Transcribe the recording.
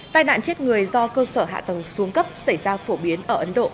tai nạn chết người do cơ sở hạ tầng xuống cấp xảy ra phổ biến ở ấn độ